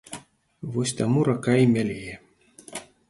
Вось таму рака і мялее.